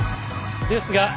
ですが